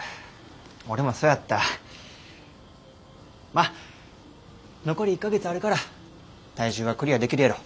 まあ残り１か月あるから体重はクリアできるやろ。